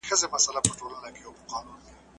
دوراني پانګه په بازار کي چټک حرکت کوي.